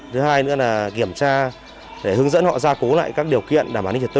thứ hai nữa là kiểm tra để hướng dẫn họ ra cố lại các điều kiện đảm bảo an ninh trật tự